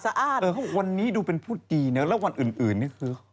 เออเขาบอกวันนี้ดูเป็นพูดดีนะแล้ววันอื่นนี่คือ